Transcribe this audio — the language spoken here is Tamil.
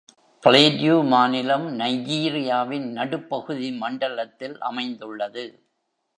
பிளேட்யு மாநிலம் நைஜீரியாவின் நடுப்பகுதி மண்டலத்தில் அமைந்துள்ளது.